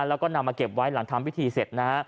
แลอเก็บไว้หลังทำพิธีเสร็จ